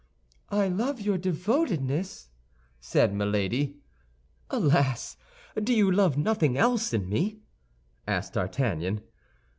"I love your devotedness," said Milady. "Alas, do you love nothing else in me?" asked D'Artagnan.